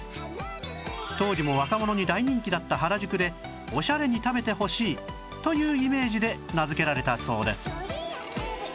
当時も若者に大人気だった原宿でおしゃれに食べてほしいというイメージで名付けられたそうです